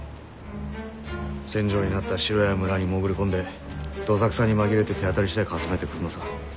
戦場になった城や村に潜り込んでどさくさに紛れて手当たりしだいかすめてくるのさ。